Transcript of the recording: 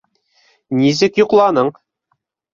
Нисек йоҡланың?